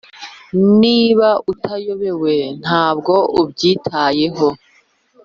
niba utayobewe, ntabwo ubyitayeho.